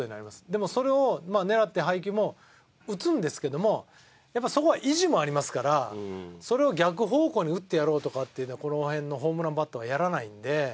でもそれを狙って配球も打つんですけどもやっぱそこは意地もありますからそれを逆方向に打ってやろうとかっていうのはこの辺のホームランバッターはやらないんで。